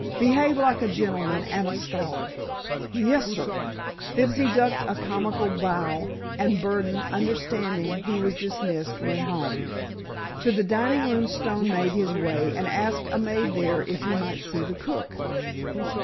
Behave like a gentleman and a scholar." "Yessir," Fibsy ducked a comical bow, and Burdon, understanding he was dismissed, went home. To the dining room Stone made his way, and asked a maid there if he might see the cook.